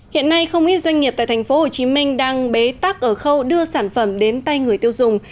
hiện nay không ít doanh nghiệp tại thành phố hồ chí minh đang bế tắc ở khâu đưa sản phẩm đến tay người tiêu dùng